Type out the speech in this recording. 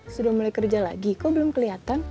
sudah mulai kerja lagi kok belum kelihatan